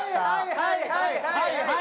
はいはいはいはい！